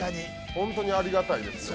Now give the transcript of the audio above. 本当にありがたいですね。